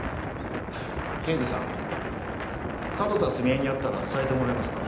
刑事さん角田澄江に会ったら伝えてもらえますか？